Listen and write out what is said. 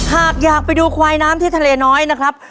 หากอยากไปดูควายน้ำที่ทะเลน้อยนะครับ